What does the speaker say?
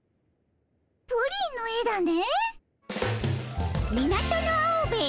プリンの絵だね。